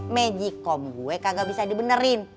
magikom gue kagak bisa dibenerin